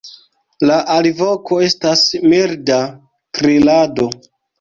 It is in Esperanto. La alvoko estas milda trilado.